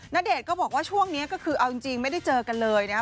ณเดชน์ก็บอกว่าช่วงนี้ก็คือเอาจริงไม่ได้เจอกันเลยนะครับ